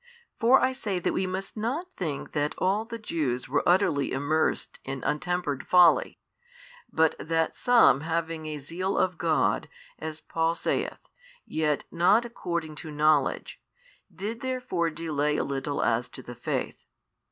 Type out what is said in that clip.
For I say that we must not think that all the Jews were utterly immersed in untempered folly, but that some having a zeal of God, as Paul saith, yet not according to knowledge, did therefore delay a little as to the faith.